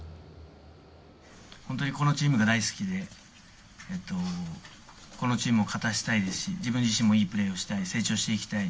本当にこのチームが大好きでこのチームを勝たせたいですし自分自身もいいプレーをしたい成長していきたい。